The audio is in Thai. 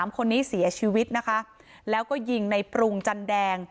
คนนี้เสียชีวิตนะคะแล้วก็ยิงในปรุงจันแดง